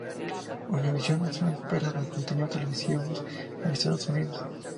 Univisión es una empresa de contenidos televisivos en Estados Unidos.